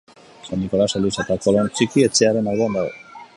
San Nikolas eliza eta Kolon Txiki etxearen alboan dago.